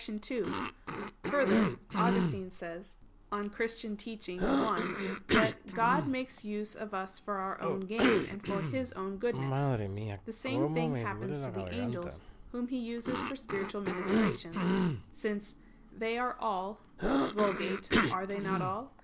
2: Further, Augustine says (De Doctr. Christ. i) that "God makes use of us for our own gain, and for His own goodness. The same thing happens to the angels, whom He uses for spiritual ministrations"; since "they are all [*Vulg.: 'Are they not all